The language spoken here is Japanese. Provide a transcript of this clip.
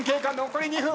残り２分。